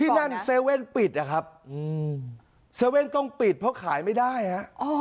นั่นเซเว่นปิดนะครับ๗๑๑ต้องปิดเพราะขายไม่ได้ฮะ